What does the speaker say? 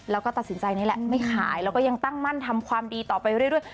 แล้วก็ตัดสินใจนี่แหละไม่ขายแล้วก็ยังตั้งมั่นทำความดีต่อไปเรื่อย